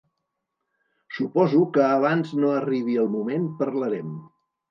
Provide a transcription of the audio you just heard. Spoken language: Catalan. Suposo que abans no arribi el moment parlarem.